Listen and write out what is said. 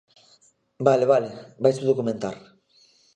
Vale, vale, vaise documentar.